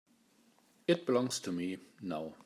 It belongs to me now.